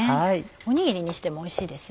おにぎりにしてもおいしいです。